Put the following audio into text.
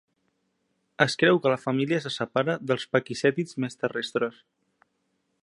Es creu que la família se separa dels pakicètids més terrestres.